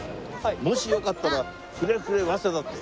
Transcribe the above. もしよかったら。